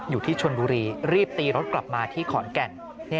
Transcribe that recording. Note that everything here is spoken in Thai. อยู่ที่ชนบุรีรีบตีรถกลับมาที่ขอนแก่น